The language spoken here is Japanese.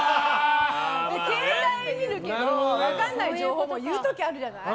携帯見るけど分からない情報を言うことあるじゃない。